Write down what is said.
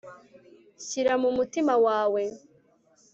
nshyira mu mutima wawe